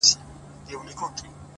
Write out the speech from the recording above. ژړېږه مه د لاسو مات بنگړي دې مه هېروه _